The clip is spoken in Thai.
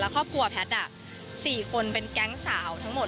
ครอบครัวแพทย์๔คนเป็นแก๊งสาวทั้งหมด